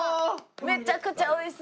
めちゃくちゃ美味しそう。